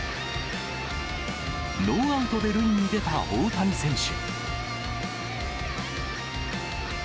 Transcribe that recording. ノーアウトで塁に出た大谷選手。